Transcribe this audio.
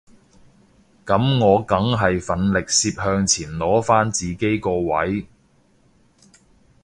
噉我梗係奮力攝向前攞返自己個位